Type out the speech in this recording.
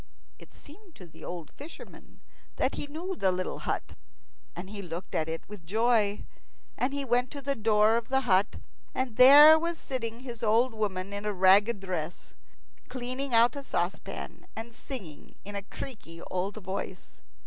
It seemed to the old fisherman that he knew the little hut, and he looked at it with joy. And he went to the door of the hut, and there was sitting his old woman in a ragged dress, cleaning out a saucepan, and singing in a creaky old voice.